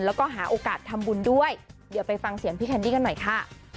แล้วก็หาโอกาสทำบุญด้วยเดี๋ยวไปฟังเสียงพี่แคนดี้กันหน่อยค่ะ